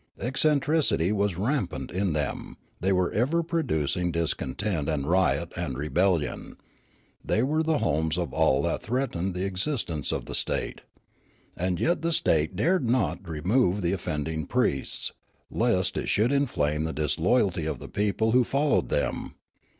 Eccentricity was rampant in them ; they were ever producing discontent and riot and rebellion ; they were the homes of all that threatened the exist ence of the state. And yet the state dared not remove the offending priests, lest it should inflame the dis loyalty of the people who followed them.